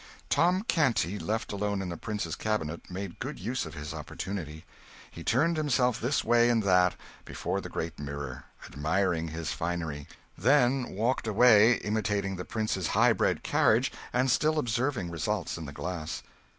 Tom Canty, left alone in the prince's cabinet, made good use of his opportunity. He turned himself this way and that before the great mirror, admiring his finery; then walked away, imitating the prince's high bred carriage, and still observing results in the glass.